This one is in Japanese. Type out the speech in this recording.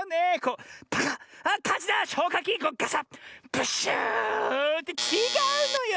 ブッシュー！ってちがうのよ！